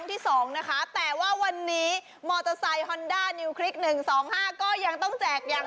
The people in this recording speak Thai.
อีกนิดนึงคุณชิงน้า